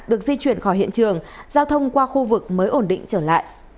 được di chuyển khỏi hiện trường giao thông qua khu vực mới ổn định trở lại